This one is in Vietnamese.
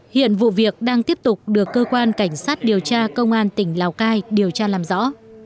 hiện vụ việc đang tiếp tục được cơ quan cảnh sát điều tra công an tỉnh lào cai điều tra làm rõ